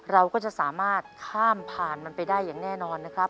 เราก็จะสามารถข้ามผ่านมันไปได้อย่างแน่นอนนะครับ